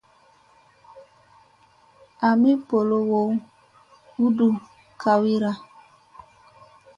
Ami bolowo u do kawira.